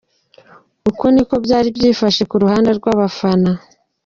Uku niko byari byifashe ku ruhande rw’abafana .